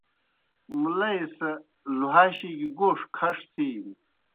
مُلئی سہ لُہاشیْ گیْ گوݜ کھݜ تِھینیْ۔